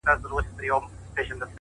خپل خوبونه په عمل بدل کړئ’